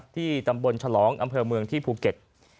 ที่ตำบลฉลองอำเภอเมืองที่ภูเก็ต